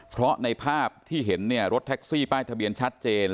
เพราะในภาพที่เห็นเนี่ยรถแท็กซี่ป้ายทะเบียนชัดเจน